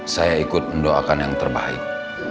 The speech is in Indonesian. saya ikut mendoakan yang terbaik